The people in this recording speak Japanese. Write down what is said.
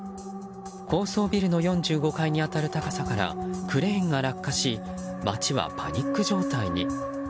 高層ビルの４５階に当たる高さからクレーンが落下し街はパニック状態に。